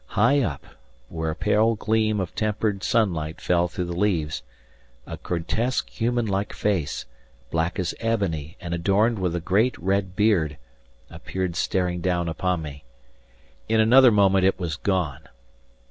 High up, where a pale gleam of tempered sunlight fell through the leaves, a grotesque human like face, black as ebony and adorned with a great red beard, appeared staring down upon me. In another moment it was gone.